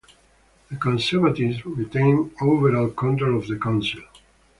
The Conservatives retained overall control of the council.